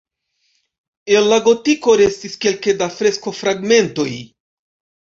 El la gotiko restis kelke da freskofragmentoj.